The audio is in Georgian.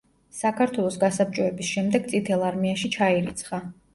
საქართველოს გასაბჭოების შემდეგ წითელ არმიაში ჩაირიცხა.